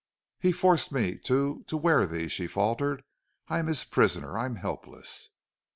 "He forced me to to wear these," she faltered. "I'm his prisoner. I'm helpless."